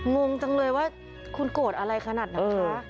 มุมตังเลยว่าคุณโกรธอะไรขนาดน่ะค่ะ